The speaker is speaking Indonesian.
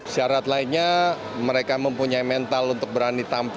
syarat lainnya mereka mempunyai mental untuk berani tampil